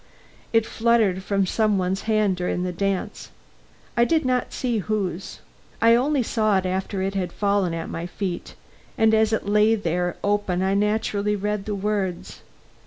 It fluttered from some one's hand during the dance. I did not see whose. I only saw it after it had fallen at my feet, and as it lay there open I naturally read the words.